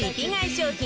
商品